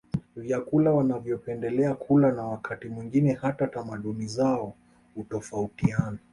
Vyakula wanavyopendelea kula na wakati mwingine hata tamaduni zao utofautiana